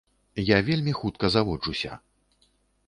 Я вельмі хутка заводжуся.